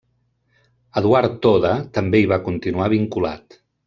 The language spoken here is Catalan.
Eduard Toda també hi va continuar vinculat.